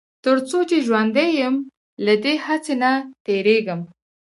تر څو چې ژوندی يم له دې هڅې نه تېرېږم.